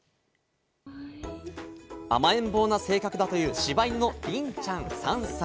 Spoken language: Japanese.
甘えん坊な性格だという柴犬のりんちゃん、３歳。